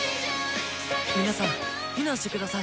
皆さん避難してください。